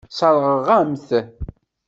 Sseṛɣeɣ-am-t.